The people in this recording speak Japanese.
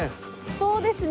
そうですね。